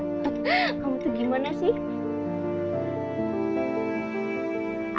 kamu tuh gimana sih